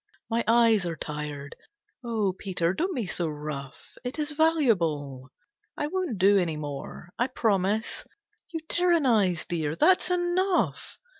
My eyes are tired. Oh, Peter, don't be so rough; it is valuable. I won't do any more. I promise. You tyrannise, Dear, that's enough.